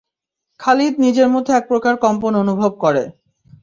খালিদ নিজের মধ্যে এক প্রকার কম্পন অনুভব করে।